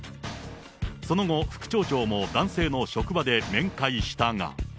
その後、副町長も男性の職場で面会したが。